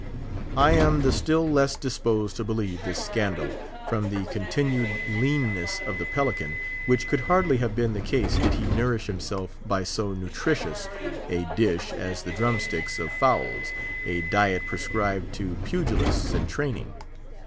I am the still less disposed to believe this scandal, from the continued leanness of the Pelican, which could hardly have been the case did he nourish himself by so nutritious a dish as the drum sticks of fowls, a diet prescribed to pugilists in training.